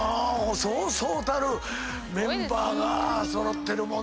そうそうたるメンバーが揃ってるもんなぁ。